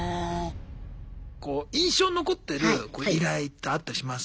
こう印象に残ってる依頼ってあったりします？